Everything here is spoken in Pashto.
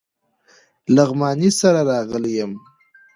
لغمانی سره راغلی یم.